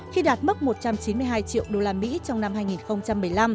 khi đạt mức một trăm chín mươi hai triệu đô la mỹ trong năm hai nghìn một mươi năm